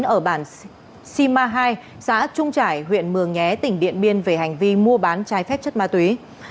ở bản sima hai xã trung trải huyện mường nhé tỉnh điện biên về hành vi mua bán trái phép chất ma túy